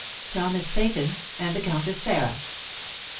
THOMAS SEYTON AND THE COUNTESS SARAH.